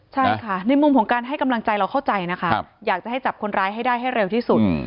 ใช่ค่ะในมุมของการให้กำลังใจเราเข้าใจนะคะอยากจะให้จับคนร้ายให้ได้ให้เร็วที่สุด